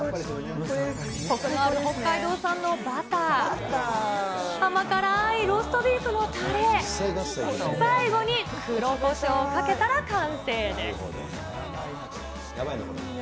こくのある北海道産のバター、甘辛ーいローストビーフのたれ、最後に黒こしょうをかけたら完成です。